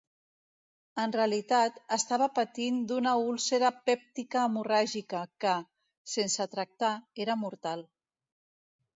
En realitat, estava patint d'una úlcera pèptica hemorràgica, que, sense tractar, era mortal.